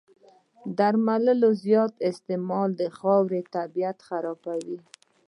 د درملو زیات استعمال د خاورې طبعیت خرابوي.